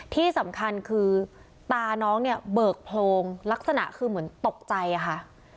ที่สำคัญคือตาน้องเนี่ยเบิกโพรงลักษณะคือเหมือนตกใจค่ะ